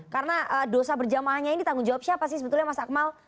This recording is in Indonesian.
karena dosa berjamaahnya ini tanggung jawab siapa sih sebetulnya mas akmal